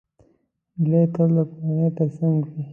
هیلۍ تل د کورنۍ تر څنګ وي